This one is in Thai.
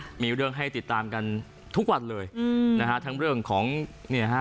แต่ว่ามีเวลาให้ติดตามกันทุกวันเลยนะฮะทั้งวันเดิมของนี่นะฮะ